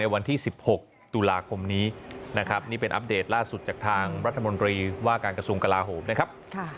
ว่าการกระทรวงกระลาฮูมได้ครับ